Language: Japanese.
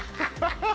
ハハハハ！